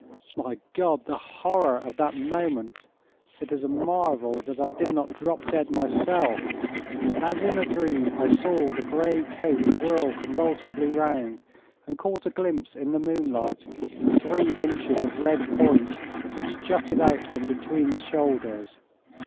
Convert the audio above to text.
My God! the horror of that moment! It is a marvel that I did not drop dead myself. As in a dream, I saw the grey coat whirl convulsively round, and caught a glimpse in the moonlight of three inches of red point which jutted out from between the shoulders.